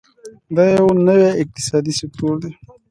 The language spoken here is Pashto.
دا یو نوی اقتصادي سکتور دی.